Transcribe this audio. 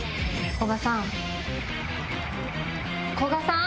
古賀さん？